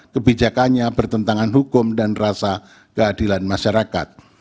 kebijakannya bertentangan hukum dan rasa keadilan masyarakat